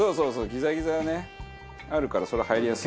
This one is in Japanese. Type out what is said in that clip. ギザギザがねあるからそりゃ入りやすい。